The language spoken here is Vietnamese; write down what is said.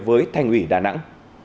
với thành ủy đà nẵng